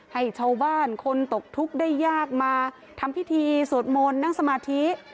ให้ชาวบ้านคนตกทุกข์ได้ยากมาทำพิธีสวดมนต์นั่งสมาธิ